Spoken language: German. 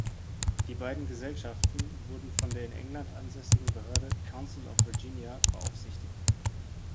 Die beiden Gesellschaften wurden von der in England ansässigen Behörde "Council of Virginia" beaufsichtigt.